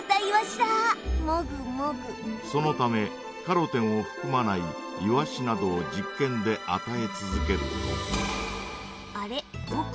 そのためカロテンをふくまないイワシなどを実験であたえ続けると。